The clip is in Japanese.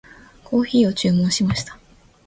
コーヒーを注文しました。